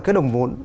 cái đồng vốn